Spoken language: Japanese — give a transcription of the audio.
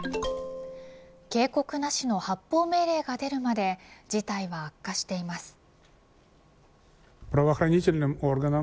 警告なしの発砲命令が出るまで事態は悪化しています。